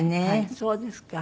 そうですか。